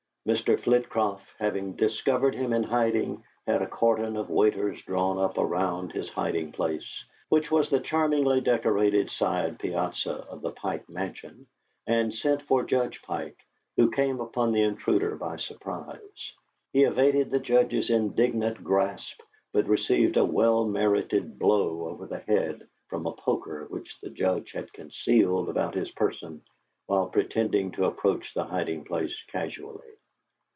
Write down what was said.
Mr. Flitcroft, having discovered him in hiding, had a cordon of waiters drawn up around his hiding place, which was the charmingly decorated side piazza of the Pike Mansion, and sent for Judge Pike, who came upon the intruder by surprise. He evaded the Judge's indignant grasp, but received a well merited blow over the head from a poker which the Judge had concealed about his person while pretending to approach the hiding place casually.